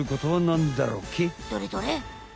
どれどれ？